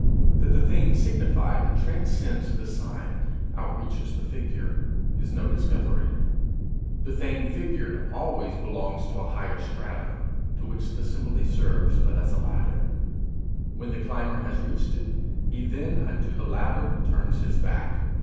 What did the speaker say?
That the thing signified transcends the sign, outreaches the figure, is no discovery; the thing figured always belongs to a higher stratum, to which the simile serves but as a ladder; when the climber has reached it, 'he then unto the ladder turns his back.'